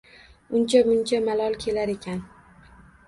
Uncha-muncha malol kelar ekan.